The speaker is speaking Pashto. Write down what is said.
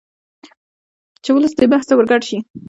چې ولس دې بحث ته ورګډ شي